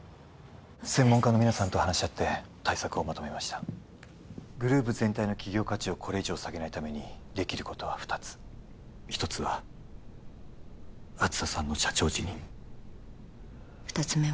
専門家の皆さんと話し合って対策をまとめましたグループ全体の企業価値をこれ以上下げないためにできることは二つ一つは梓さんの社長辞任二つ目は？